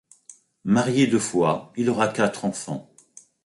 Marié deux fois, il aura quatre enfants.